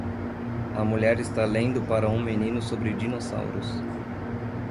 A mulher está lendo para um menino sobre dinossauros.